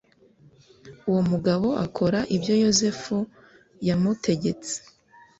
uwo mugabo akora ibyo yosefu yamutegetse